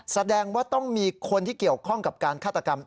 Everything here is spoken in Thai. แสดงว่าต้องมีคนที่เกี่ยวข้องกับการฆาตกรรม